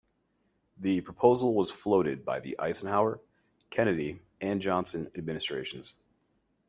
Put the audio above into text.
The proposal was floated by the Eisenhower, Kennedy, and Johnson administrations.